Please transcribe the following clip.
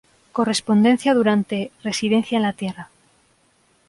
Correspondencia durante "Residencia en la tierra".